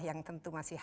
yang tentu masih hadir